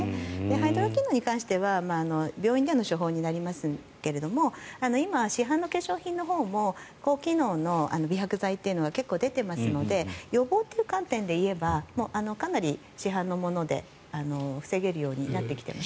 ハイドロキノンに関しては病院での処方になりますが今、市販の化粧品のほうも高機能の美白剤は結構、出ていますので予防という観点でいえばかなり市販のもので防げるようになってきてます。